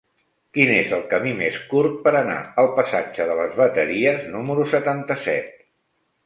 Quin és el camí més curt per anar al passatge de les Bateries número setanta-set?